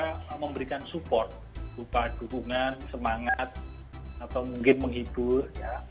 kita memberikan support berupa dukungan semangat atau mungkin menghibur ya